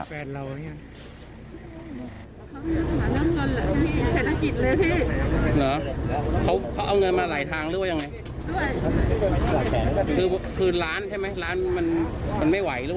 ไม่ใช่ไม่ไหวพี่พี่เป็นแบบเมื่อไหร่อย่างนั้นก็คือเผื่ออย่างนั้น